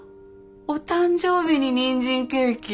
お誕生日ににんじんケーキ？